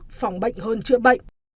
nguyên tắc phòng bệnh hơn chữa bệnh